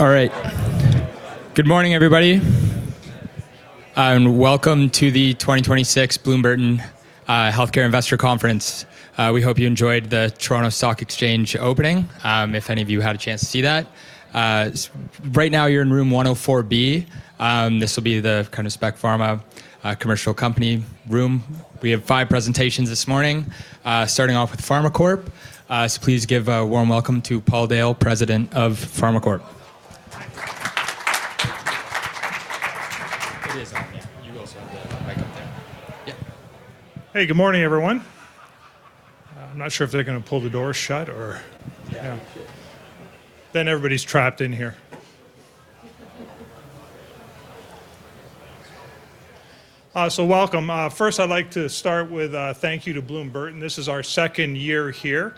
All right. Good morning, everybody, and welcome to the 2026 Bloom Burton Healthcare Investor Conference. We hope you enjoyed the Toronto Stock Exchange opening, if any of you had a chance to see that. Right now, you're in room 104B. This will be the kind of spec pharma commercial company room. We have five presentations this morning, starting off with PharmaCorp. Please give a warm welcome to Paul Dale, President of PharmaCorp. It is on, yeah. You also have the mic up there. Yeah. Hey, good morning, everyone. I'm not sure if they're going to pull the door shut or. Yeah. Then everybody's trapped in here. Welcome. First, I'd like to start with a thank you to Bloom Burton. This is our second year here.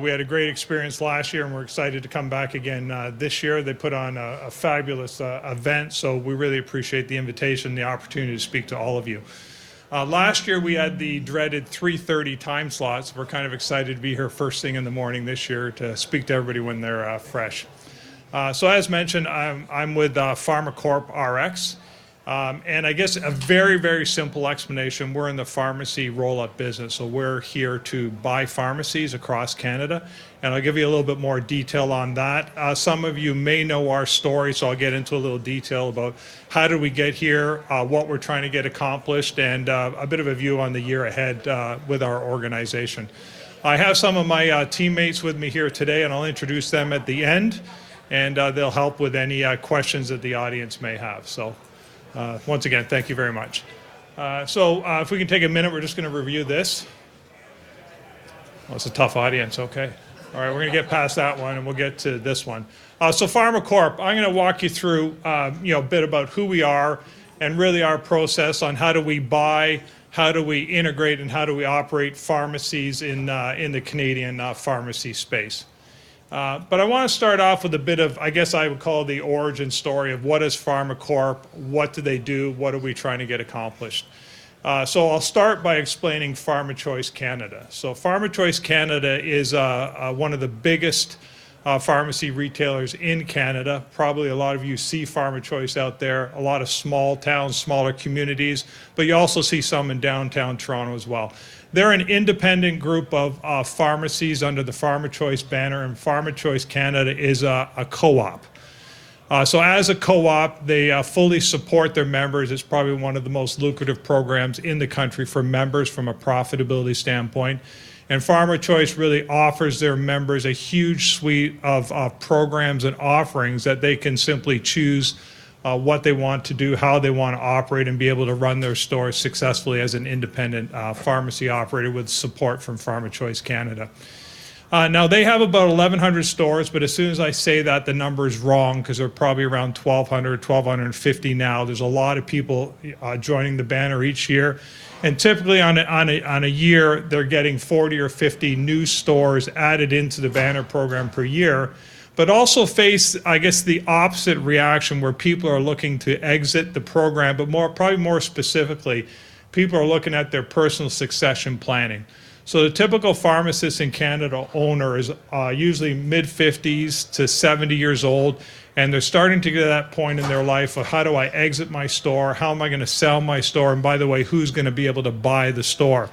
We had a great experience last year, and we're excited to come back again this year. They put on a fabulous event, so we really appreciate the invitation and the opportunity to speak to all of you. Last year, we had the dreaded 3:30 P.M. time slots. We're kind of excited to be here first thing in the morning this year to speak to everybody when they're fresh. As mentioned, I'm with PharmaCorp Rx. I guess a very simple explanation, we're in the pharmacy roll-up business, so we're here to buy pharmacies across Canada, and I'll give you a little bit more detail on that. Some of you may know our story, so I'll get into a little detail about how did we get here, what we're trying to get accomplished, and a bit of a view on the year ahead with our organization. I have some of my teammates with me here today, and I'll introduce them at the end, and they'll help with any questions that the audience may have. Once again, thank you very much. If we can take a minute, we're just going to review this. Well, it's a tough audience. Okay. All right. We're going to get past that one, and we'll get to this one. PharmaCorp, I'm going to walk you through a bit about who we are and really our process on how do we buy, how do we integrate, and how do we operate pharmacies in the Canadian pharmacy space. I want to start off with a bit of, I guess I would call it the origin story of what is PharmaCorp, what do they do, what are we trying to get accomplished. I'll start by explaining PharmaChoice Canada. PharmaChoice Canada is one of the biggest pharmacy retailers in Canada. Probably a lot of you see PharmaChoice out there, a lot of small towns, smaller communities, but you also see some in Downtown Toronto as well. They're an independent group of pharmacies under the PharmaChoice banner, and PharmaChoice Canada is a co-op. As a co-op, they fully support their members. It's probably one of the most lucrative programs in the country for members from a profitability standpoint. PharmaChoice really offers their members a huge suite of programs and offerings that they can simply choose what they want to do, how they want to operate, and be able to run their stores successfully as an independent pharmacy operator with support from PharmaChoice Canada. Now, they have about 1,100 stores, but as soon as I say that, the number's wrong because they're probably around 1,200, 1,250 now. There's a lot of people joining the banner each year. Typically in a year, they're getting 40 or 50 new stores added into the banner program per year. They also face, I guess, the opposite reaction where people are looking to exit the program, but probably more specifically, people are looking at their personal succession planning. The typical pharmacist in Canada owner is usually mid-50s to 70 years old, and they're starting to get to that point in their life of how do I exit my store, how am I going to sell my store, and by the way, who's going to be able to buy the store?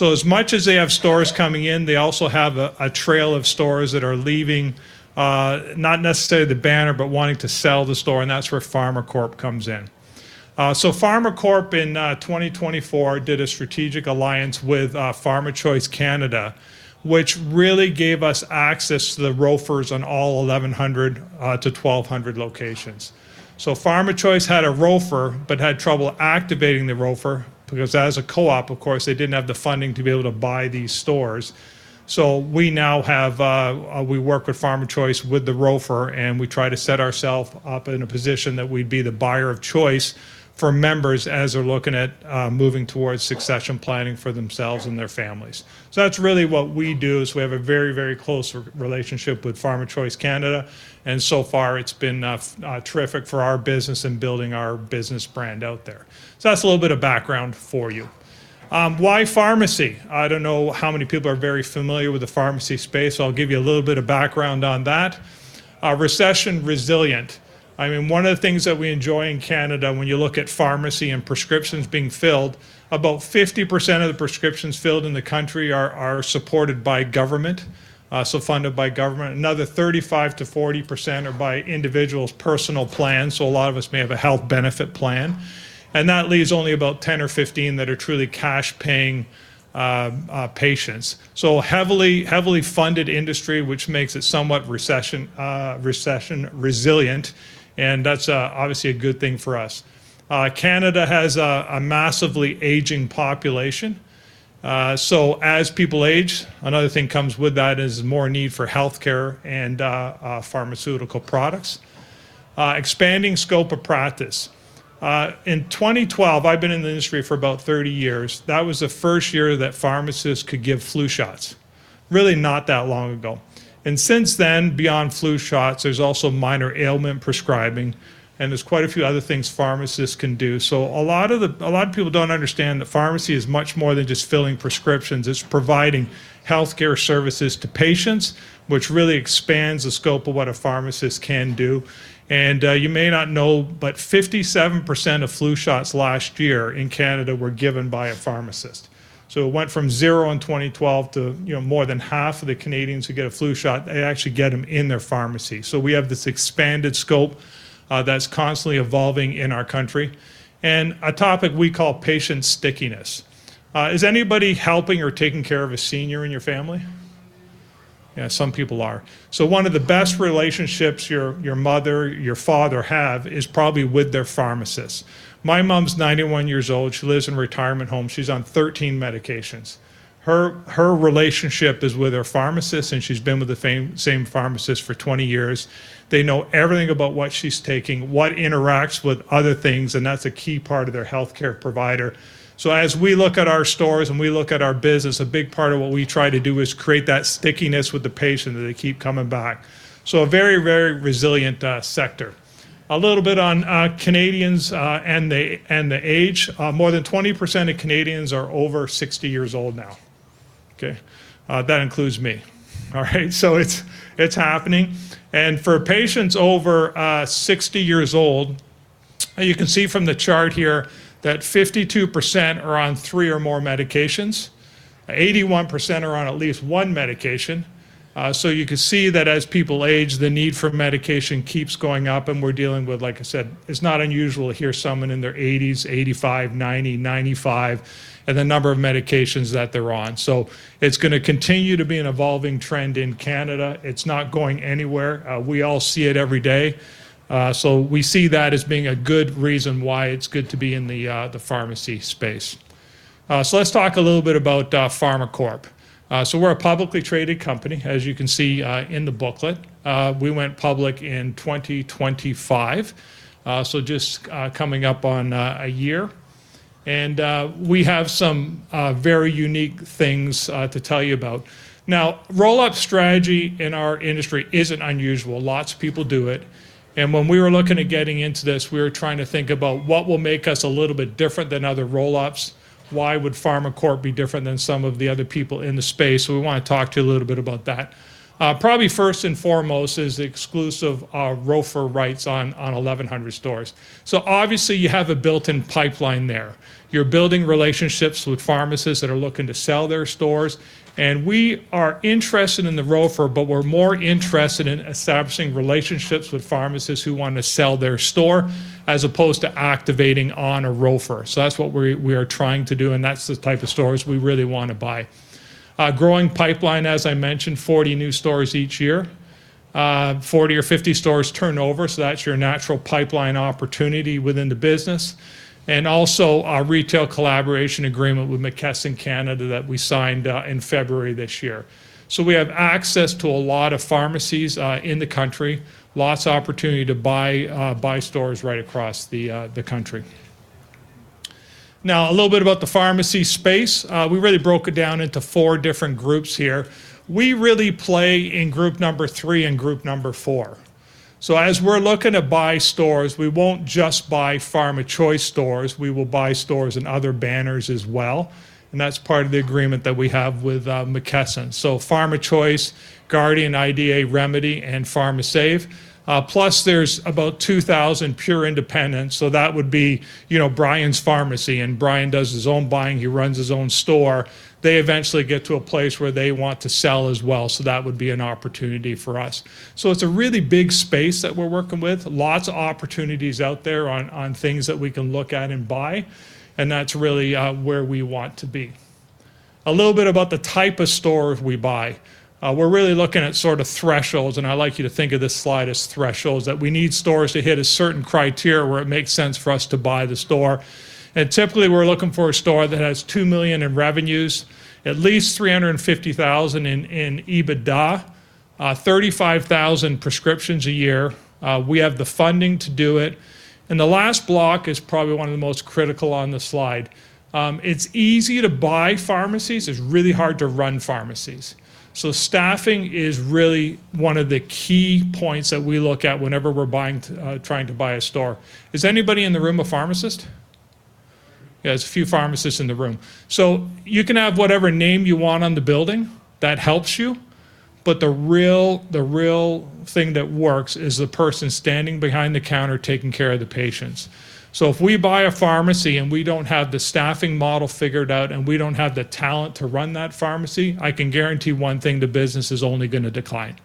As much as they have stores coming in, they also have a trail of stores that are leaving, not necessarily the banner, but wanting to sell the store, and that's where PharmaCorp comes in. PharmaCorp in 2024 did a strategic alliance with PharmaChoice Canada, which really gave us access to the ROFRs on all 1,100 to 1,200 locations. PharmaChoice had a ROFR but had trouble activating the ROFR because as a co-op, of course, they didn't have the funding to be able to buy these stores. We now work with PharmaChoice with the ROFR, and we try to set ourselves up in a position that we'd be the buyer of choice for members as they're looking at moving towards succession planning for themselves and their families. That's really what we do, is we have a very close relationship with PharmaChoice Canada, and so far, it's been terrific for our business and building our business brand out there. That's a little bit of background for you. Why pharmacy? I don't know how many people are very familiar with the pharmacy space, so I'll give you a little bit of background on that. Recession resilient. One of the things that we enjoy in Canada when you look at pharmacy and prescriptions being filled, about 50% of the prescriptions filled in the country are supported by government, so funded by government. Another 35%-40% are by individuals' personal plans, so a lot of us may have a health benefit plan. That leaves only about 10% or 15% that are truly cash-paying patients. Heavily funded industry, which makes it somewhat recession resilient, and that's obviously a good thing for us. Canada has a massively aging population. As people age, another thing comes with that is more need for healthcare and pharmaceutical products. Expanding scope of practice. In 2012, I've been in the industry for about 30 years, that was the first year that pharmacists could give flu shots. Really not that long ago. Since then, beyond flu shots, there's also minor ailment prescribing, and there's quite a few other things pharmacists can do. A lot of people don't understand that pharmacy is much more than just filling prescriptions. It's providing healthcare services to patients, which really expands the scope of what a pharmacist can do. You may not know, but 57% of flu shots last year in Canada were given by a pharmacist. It went from zero in 2012 to more than half of the Canadians who get a flu shot, they actually get them in their pharmacy. We have this expanded scope that's constantly evolving in our country, and a topic we call patient stickiness. Is anybody helping or taking care of a senior in your family? Yeah, some people are. One of the best relationships your mother, your father have is probably with their pharmacist. My mom's 91 years old. She lives in a retirement home. She's on 13 medications. Her relationship is with her pharmacist, and she's been with the same pharmacist for 20 years. They know everything about what she's taking, what interacts with other things, and that's a key part of their healthcare provider. As we look at our stores and we look at our business, a big part of what we try to do is create that stickiness with the patient, that they keep coming back. A very resilient sector. A little bit on Canadians and the age. More than 20% of Canadians are over 60 years old now. Okay. That includes me. All right. It's happening. For patients over 60 years old, you can see from the chart here that 52% are on three or more medications, 81% are on at least one medication. You can see that as people age, the need for medication keeps going up. We're dealing with, like I said, it's not unusual to hear someone in their 80s, 85, 90, 95, and the number of medications that they're on. It's going to continue to be an evolving trend in Canada. It's not going anywhere. We all see it every day. We see that as being a good reason why it's good to be in the pharmacy space. Let's talk a little bit about PharmaCorp. We're a publicly traded company, as you can see in the booklet. We went public in 2025, so just coming up on a year. We have some very unique things to tell you about. Now, roll-up strategy in our industry isn't unusual. Lots of people do it. When we were looking at getting into this, we were trying to think about what will make us a little bit different than other roll-ups. Why would PharmaCorp be different than some of the other people in the space? We want to talk to you a little bit about that. Probably first and foremost is the exclusive ROFR rights on 1,100 stores. Obviously you have a built-in pipeline there. You're building relationships with pharmacists that are looking to sell their stores. We are interested in the ROFR, but we're more interested in establishing relationships with pharmacists who want to sell their store as opposed to activating on a ROFR. That's what we are trying to do, and that's the type of stores we really want to buy. Growing pipeline, as I mentioned, 40 new stores each year, 40 or 50 stores turnover, so that's your natural pipeline opportunity within the business. Also, a retail collaboration agreement with McKesson Canada that we signed in February this year. We have access to a lot of pharmacies in the country, lots of opportunity to buy stores right across the country. Now, a little bit about the pharmacy space. We really broke it down into four different groups here. We really play in group number three and group number four. As we're looking to buy stores, we won't just buy PharmaChoice stores, we will buy stores and other banners as well, and that's part of the agreement that we have with McKesson. PharmaChoice, Guardian, IDA, Remedy, and Pharmasave. Plus, there's about 2,000 pure independents, so that would be Brian's Pharmacy, and Brian does his own buying, he runs his own store. They eventually get to a place where they want to sell as well, so that would be an opportunity for us. It's a really big space that we're working with. Lots of opportunities out there on things that we can look at and buy, and that's really where we want to be. A little bit about the type of stores we buy. We're really looking at sort of thresholds, and I'd like you to think of this slide as thresholds, that we need stores to hit a certain criteria where it makes sense for us to buy the store. Typically, we're looking for a store that has 2 million in revenues, at least 350,000 in EBITDA, 35,000 prescriptions a year. We have the funding to do it. The last block is probably one of the most critical on the slide. It's easy to buy pharmacies, it's really hard to run pharmacies. Staffing is really one of the key points that we look at whenever we're trying to buy a store. Is anybody in the room a pharmacist? Yeah, there's a few pharmacists in the room. You can have whatever name you want on the building. That helps you. The real thing that works is the person standing behind the counter taking care of the patients. If we buy a pharmacy and we don't have the staffing model figured out and we don't have the talent to run that pharmacy, I can guarantee one thing, the business is only going to decline.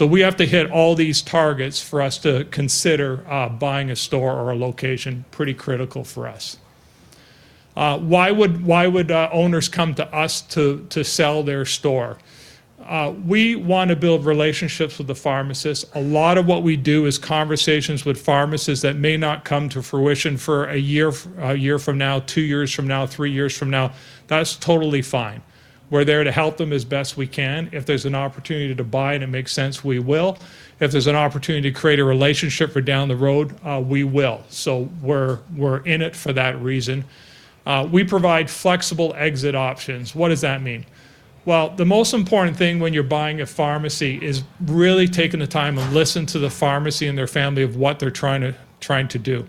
We have to hit all these targets for us to consider buying a store or a location. Pretty critical for us. Why would owners come to us to sell their store? We want to build relationships with the pharmacists. A lot of what we do is conversations with pharmacists that may not come to fruition for a year from now, two years from now, three years from now. That's totally fine. We're there to help them as best we can. If there's an opportunity to buy and it makes sense, we will. If there's an opportunity to create a relationship for down the road, we will. We're in it for that reason. We provide flexible exit options. What does that mean? Well, the most important thing when you're buying a pharmacy is really taking the time to listen to the pharmacy and their family of what they're trying to do.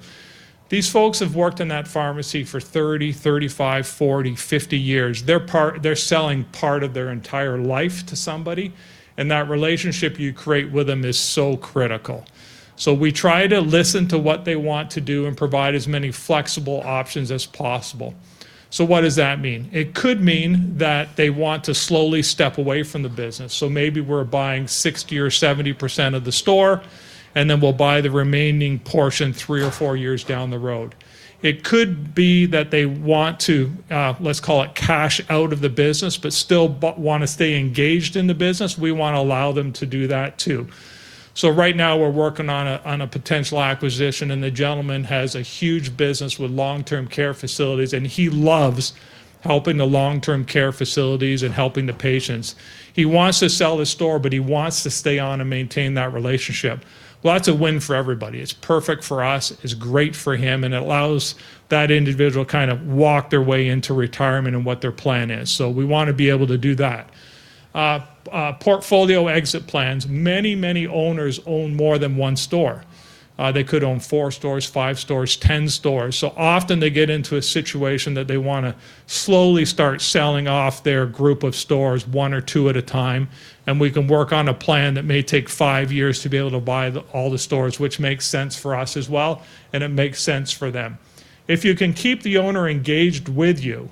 These folks have worked in that pharmacy for 30, 35, 40, 50 years. They're selling part of their entire life to somebody, and that relationship you create with them is so critical. We try to listen to what they want to do and provide as many flexible options as possible. What does that mean? It could mean that they want to slowly step away from the business. Maybe we're buying 60% or 70% of the store, and then we'll buy the remaining portion three or four years down the road. It could be that they want to, let's call it, cash out of the business, but still want to stay engaged in the business. We want to allow them to do that, too. Right now, we're working on a potential acquisition, and the gentleman has a huge business with long-term care facilities, and he loves helping the long-term care facilities and helping the patients. He wants to sell his store, but he wants to stay on and maintain that relationship. Well, that's a win for everybody. It's perfect for us, it's great for him, and it allows that individual to kind of walk their way into retirement and what their plan is. We want to be able to do that. Portfolio exit plans. Many, many owners own more than one store. They could own four stores, five stores, 10 stores. Often they get into a situation that they want to slowly start selling off their group of stores one or two at a time, and we can work on a plan that may take five years to be able to buy all the stores, which makes sense for us as well, and it makes sense for them. If you can keep the owner engaged with you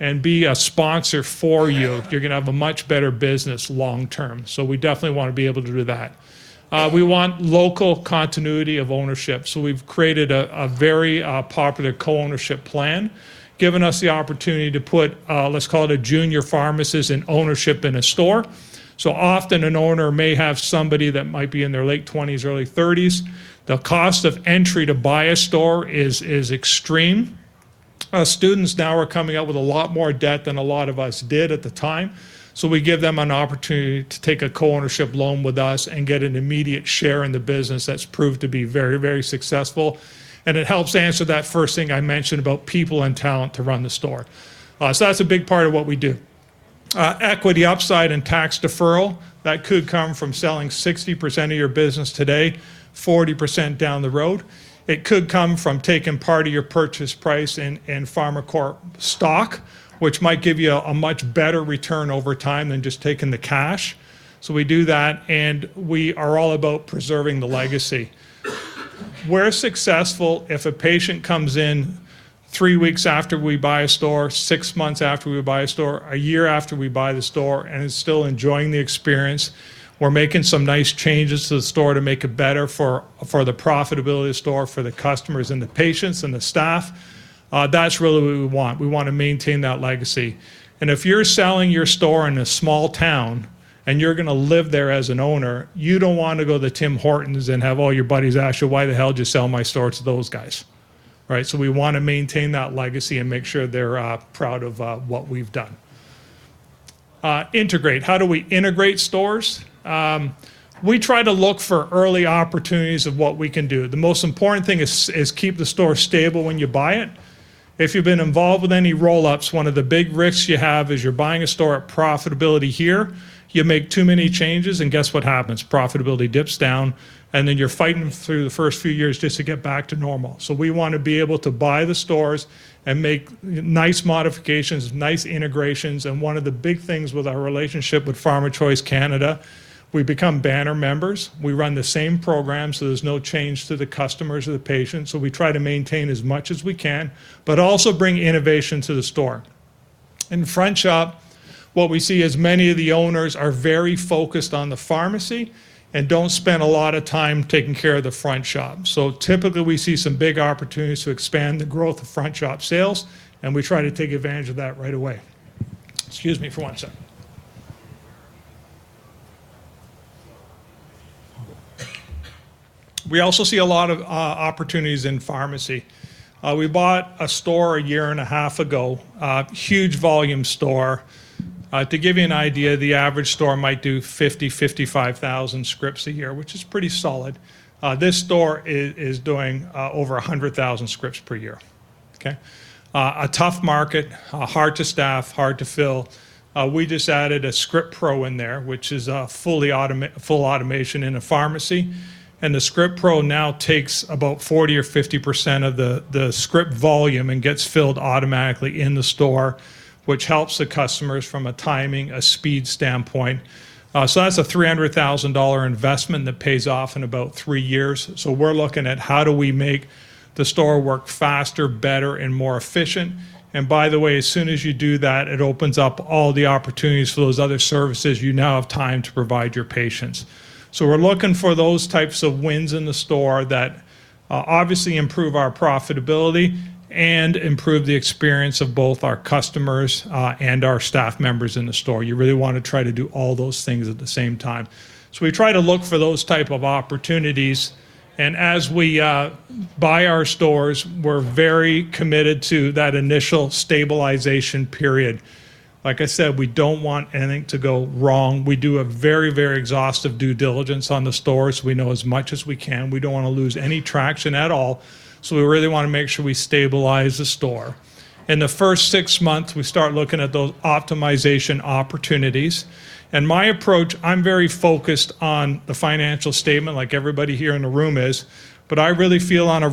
and be a sponsor for you're going to have a much better business long term. We definitely want to be able to do that. We want local continuity of ownership, so we've created a very popular co-ownership plan, giving us the opportunity to put, let's call it a junior pharmacist in ownership in a store. Often an owner may have somebody that might be in their late 20s, early 30s. The cost of entry to buy a store is extreme. Students now are coming out with a lot more debt than a lot of us did at the time. We give them an opportunity to take a co-ownership loan with us and get an immediate share in the business. That's proved to be very, very successful, and it helps answer that first thing I mentioned about people and talent to run the store. That's a big part of what we do. Equity upside and tax deferral, that could come from selling 60% of your business today, 40% down the road. It could come from taking part of your purchase price in PharmaCorp stock, which might give you a much better return over time than just taking the cash. We do that, and we are all about preserving the legacy. We're successful if a patient comes in three weeks after we buy a store, six months after we buy a store, a year after we buy the store, and is still enjoying the experience. We're making some nice changes to the store to make it better for the profitability of the store, for the customers, and the patients, and the staff. That's really what we want. We want to maintain that legacy. If you're selling your store in a small town and you're going to live there as an owner, you don't want to go to Tim Hortons and have all your buddies ask you, "Why the hell did you sell my store to those guys?" We want to maintain that legacy and make sure they're proud of what we've done. Integrate. How do we integrate stores? We try to look for early opportunities of what we can do. The most important thing is keep the store stable when you buy it. If you've been involved with any roll-ups, one of the big risks you have is you're buying a store at profitability here, you make too many changes, and guess what happens? Profitability dips down, and then you're fighting through the first few years just to get back to normal. We want to be able to buy the stores and make nice modifications, nice integrations, and one of the big things with our relationship with PharmaChoice Canada, we become banner members. We run the same program, so there's no change to the customers or the patients. We try to maintain as much as we can, but also bring innovation to the store. In front shop, what we see is many of the owners are very focused on the pharmacy and don't spend a lot of time taking care of the front shop. Typically, we see some big opportunities to expand the growth of front shop sales, and we try to take advantage of that right away. Excuse me for one second. We also see a lot of opportunities in pharmacy. We bought a store a year and a half ago, a huge volume store. To give you an idea, the average store might do 50,000, 55,000 scripts a year, which is pretty solid. This store is doing over 100,000 scripts per year. Okay. A tough market, hard to staff, hard to fill. We just added a ScriptPro in there, which is full automation in a pharmacy. The ScriptPro now takes about 40% or 50% of the script volume and gets filled automatically in the store, which helps the customers from a timing, a speed standpoint. That's a 300,000 dollar investment that pays off in about three years. We're looking at how do we make the store work faster, better, and more efficient. By the way, as soon as you do that, it opens up all the opportunities for those other services you now have time to provide your patients. We're looking for those types of wins in the store that obviously improve our profitability and improve the experience of both our customers and our staff members in the store. You really want to try to do all those things at the same time. We try to look for those type of opportunities, and as we buy our stores, we're very committed to that initial stabilization period. Like I said, we don't want anything to go wrong. We do a very, very exhaustive due diligence on the stores. We know as much as we can. We don't want to lose any traction at all, so we really want to make sure we stabilize the store. In the first six months, we start looking at those optimization opportunities. My approach, I'm very focused on the financial statement, like everybody here in the room is, but I really feel on a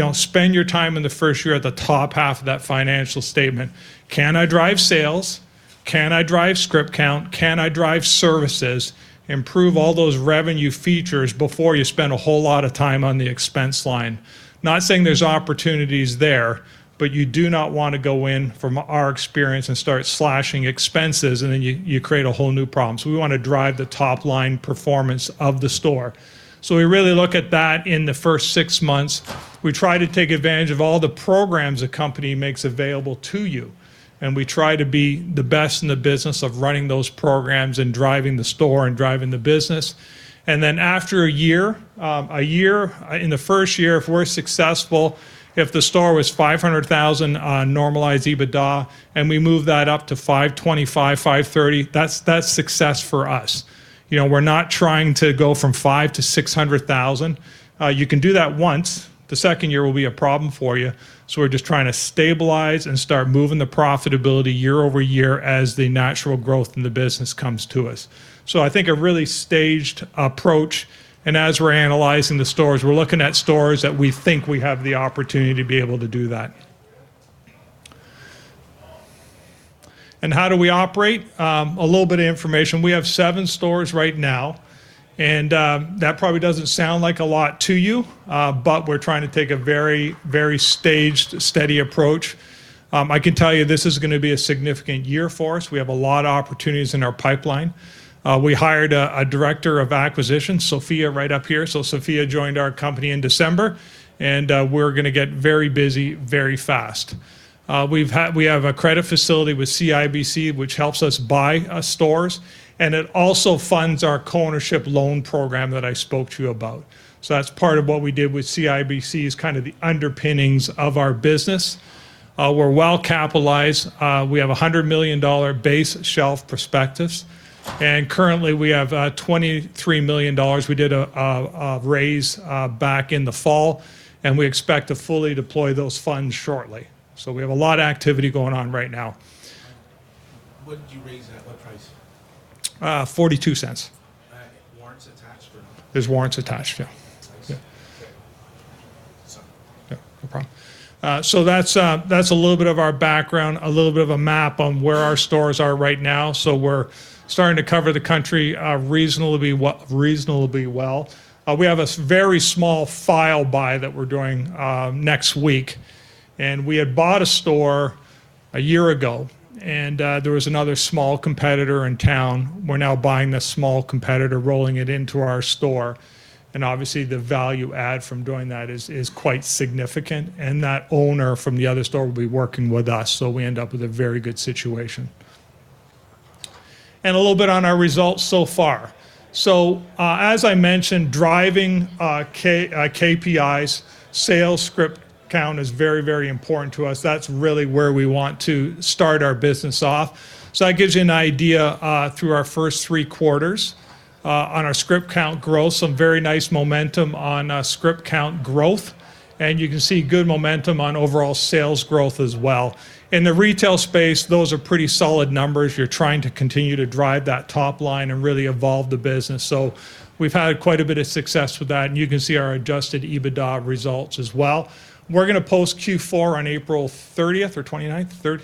roll-up, spend your time in the first year at the top half of that financial statement. Can I drive sales? Can I drive script count? Can I drive services? Improve all those revenue features before you spend a whole lot of time on the expense line. Not saying there's opportunities there, but you do not want to go in, from our experience, and start slashing expenses, and then you create a whole new problem. We want to drive the top-line performance of the store. We really look at that in the first six months. We try to take advantage of all the programs a company makes available to you, and we try to be the best in the business of running those programs and driving the store and driving the business. Then after a year, in the first year, if we're successful, if the store was 500,000 on normalized EBITDA, and we move that up to 525,000-530,000, that's success for us. We're not trying to go from 500,000-600,000. You can do that once. The second year will be a problem for you. We're just trying to stabilize and start moving the profitability year over year as the natural growth in the business comes to us. I think a really staged approach, and as we're analyzing the stores, we're looking at stores that we think we have the opportunity to be able to do that. How do we operate? A little bit of information. We have seven stores right now, and that probably doesn't sound like a lot to you, but we're trying to take a very, very staged, steady approach. I can tell you this is going to be a significant year for us. We have a lot of opportunities in our pipeline. We hired a director of acquisitions, Sophia, right up here. Sophia joined our company in December, and we're going to get very busy, very fast. We have a credit facility with CIBC, which helps us buy stores, and it also funds our co-ownership loan program that I spoke to you about. That's part of what we did with CIBC is kind of the underpinnings of our business. We're well-capitalized. We have 100 million dollar base shelf prospectus, and currently we have 23 million dollars. We did a raise back in the fall, and we expect to fully deploy those funds shortly. We have a lot of activity going on right now. What did you raise at what price? 0.42. Warrants attached or no? There's warrants attached. Yeah. Thanks. Yeah. Sorry. Yeah. No problem. That's a little bit of our background, a little bit of a map on where our stores are right now. We're starting to cover the country reasonably well. We have a very small file buy that we're doing next week, and we had bought a store a year ago, and there was another small competitor in town. We're now buying the small competitor, rolling it into our store, and obviously the value add from doing that is quite significant, and that owner from the other store will be working with us, so we end up with a very good situation. A little bit on our results so far. As I mentioned, driving KPIs, sales script count is very, very important to us. That's really where we want to start our business off. That gives you an idea, through our first three quarters, on our script count growth, some very nice momentum on script count growth, and you can see good momentum on overall sales growth as well. In the retail space, those are pretty solid numbers. You're trying to continue to drive that top line and really evolve the business. We've had quite a bit of success with that, and you can see our adjusted EBITDA results as well. We're going to post Q4 on April 29th.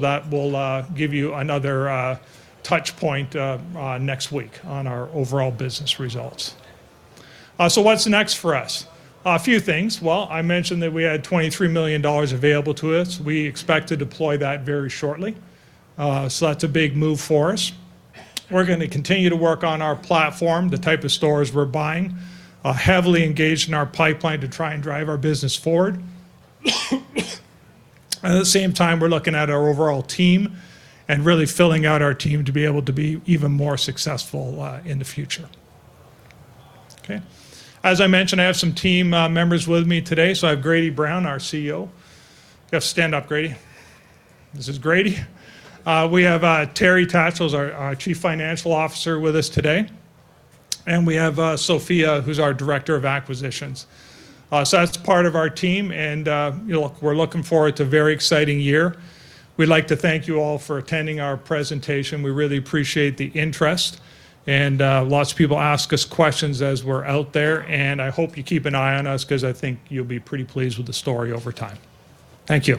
That will give you another touch point next week on our overall business results. What's next for us? A few things. Well, I mentioned that we had CAD 23 million available to us. We expect to deploy that very shortly, so that's a big move for us. We're going to continue to work on our platform, the type of stores we're buying, heavily engaged in our pipeline to try and drive our business forward. At the same time, we're looking at our overall team and really filling out our team to be able to be even more successful in the future. Okay. As I mentioned, I have some team members with me today. So I have Grady Brown, our CEO. You have to stand up, Grady. This is Grady. We have Terri Tatchell, our Chief Financial Officer, with us today, and we have Sophia, who's our Director of Acquisitions. So that's part of our team, and we're looking forward to a very exciting year. We'd like to thank you all for attending our presentation. We really appreciate the interest, and lots of people ask us questions as we're out there, and I hope you keep an eye on us because I think you'll be pretty pleased with the story over time. Thank you.